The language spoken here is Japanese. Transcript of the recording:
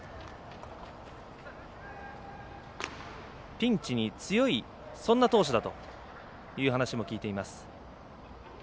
ピンチに強いそんな投手だという話も聞いています。